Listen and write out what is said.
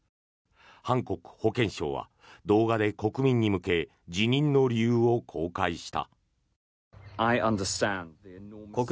ハンコック保健相は動画で国民に向け辞任の理由を公開した。